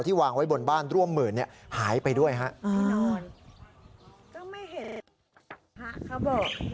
ที่วางไว้บนบ้านร่วมหมื่นหายไปด้วยครับ